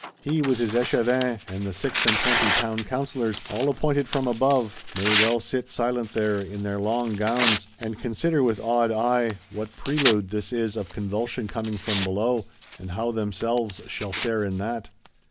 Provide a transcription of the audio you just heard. He, with his Echevins, and the Six and Twenty Town Councillors, all appointed from Above, may well sit silent there, in their long gowns; and consider, with awed eye, what prelude this is of convulsion coming from Below, and how themselves shall fare in that!